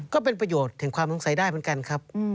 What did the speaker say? ก็เป็นประโยชน์ถึงความสงสัยได้เหมือนกันครับ